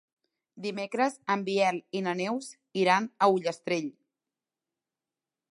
Dimecres en Biel i na Neus iran a Ullastrell.